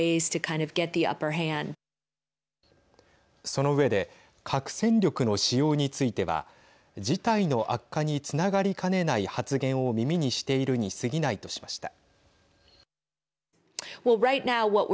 その上で核戦力の使用については事態の悪化につながりかねない発言を耳にしているにすぎないとしました。